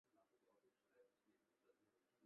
英文虎报的广告也曾经以此为拍摄场地。